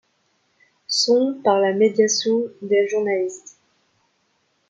Son par la médiation des journalistes.